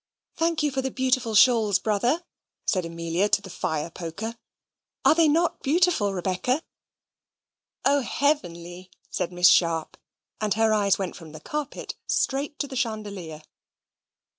"Thank you for the beautiful shawls, brother," said Amelia to the fire poker. "Are they not beautiful, Rebecca?" "O heavenly!" said Miss Sharp, and her eyes went from the carpet straight to the chandelier.